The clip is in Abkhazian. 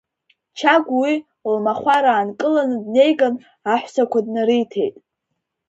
Чагә уи, лмахәар аанкыланы, днеиган, аҳәсақәа днариҭеит.